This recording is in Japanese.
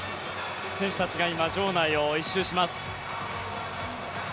選手たちが今場内を１周します。